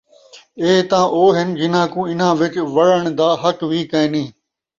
اِیہ تاں او ہِن، جِنھاں کوں اِنھاں وِچ وَڑݨ دا حق وِی کائے نھیں،